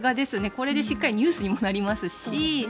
これでしっかりニュースにもなりますし。